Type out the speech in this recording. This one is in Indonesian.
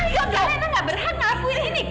kalian nggak berhak ngapuin ini kak